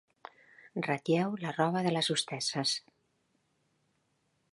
Ratlleu la roba de les hostesses.